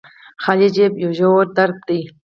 خالي جب يو ژور درد دې